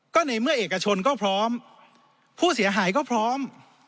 ก็ในเมื่อเอกชนก็พร้อมผู้เสียหายก็พร้อม